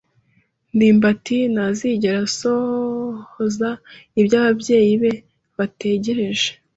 ndimbati ntazigera asohoza ibyo ababyeyi be bategereje.